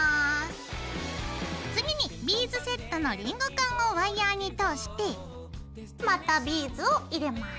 次にビーズセットのリングカンをワイヤーに通してまたビーズを入れます。